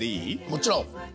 もちろん。